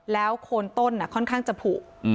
แล้วโครณ์ต้นอ่ะค่อนข้างจะผุ